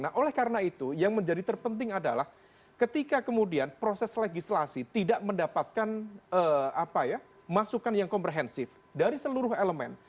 nah oleh karena itu yang menjadi terpenting adalah ketika kemudian proses legislasi tidak mendapatkan masukan yang komprehensif dari seluruh elemen